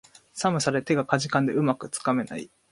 寒さで手がかじかんで、うまくつかめない